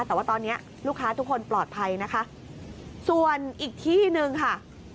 แต่ว่าตอนนี้ลูกค้าทุกคนปลอดภัยนะคะส่วนอีกที่หนึ่งค่ะ